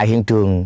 tại hiện trường